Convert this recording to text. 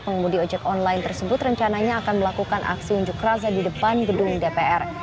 pengemudi ojek online tersebut rencananya akan melakukan aksi unjuk rasa di depan gedung dpr